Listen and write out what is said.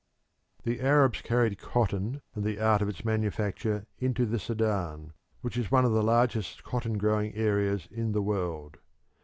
The Arabs carried cotton and the art of its manufacture into the Sudan, which is one of the largest cotton growing areas in the world.